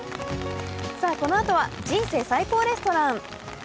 このあとは「人生最高レストラン」。